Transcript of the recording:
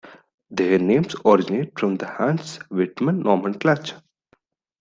Their names originate from the Hantzsch-Widman nomenclature.